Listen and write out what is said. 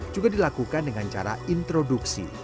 juga dilakukan dengan cara introduksi